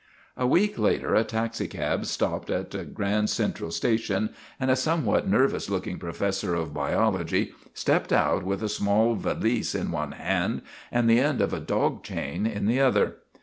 A week later a taxicab stopped at the Grand Cen tral Station and a somewhat nervous looking pro fessor of biology stepped out with a small valise in one hand and the end of a dog chain in the other.